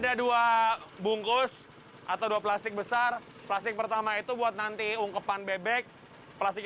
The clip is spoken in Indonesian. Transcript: ada dua bungkus atau dua plastik besar plastik pertama itu buat nanti ungkepan bebek plastik